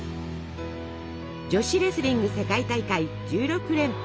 女子レスリング世界大会１６連覇。